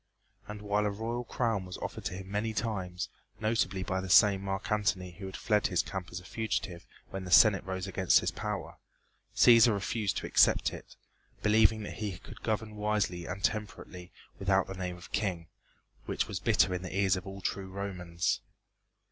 And while a royal crown was offered to him many times, notably by the same Marc Antony who had fled to his camp as a fugitive when the Senate rose against his power Cæsar refused to accept it, believing that he could govern wisely and temperately without the name of King, which was bitter in the ears of all true Romans.